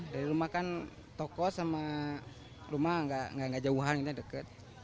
dari rumah kan toko sama rumah gak jauhan deket